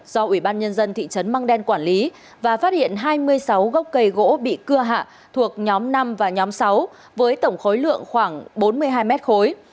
do ủy ban nhân dân thị trấn măng đen quản lý và phát hiện hai mươi sáu gốc cây gỗ bị cưa hạ thuộc nhóm năm và nhóm sáu với tổng khối lượng khoảng bốn mươi hai mét khối